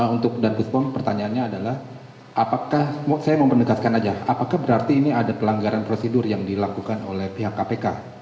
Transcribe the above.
untuk dan puspom pertanyaannya adalah apakah saya mau menegaskan aja apakah berarti ini ada pelanggaran prosedur yang dilakukan oleh pihak kpk